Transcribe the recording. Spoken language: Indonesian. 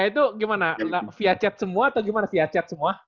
itu gimana via chat semua atau gimana via chat semua